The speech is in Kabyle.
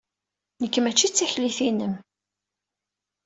Nekk mačči d taklit-inem.